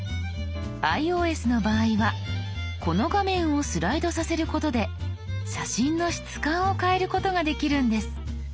ｉＯＳの場合はこの画面をスライドさせることで写真の質感を変えることができるんです。